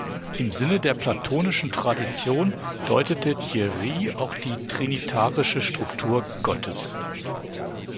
Im Sinne der platonischen Tradition deutete Thierry auch die trinitarische Struktur Gottes.